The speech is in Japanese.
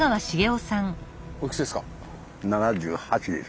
おいくつですか？